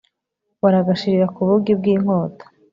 baragashirira ku bugi bw'inkota